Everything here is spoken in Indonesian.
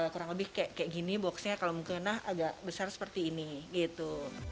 kurang lebih kayak gini boxnya kalau mungkin agak besar seperti ini gitu